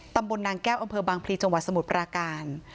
ตำบลนางแก้วอำเภอบางพลีจังหวัดสมุทรปราการ